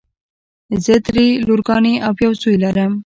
زه دری لورګانې او یو زوی لرم.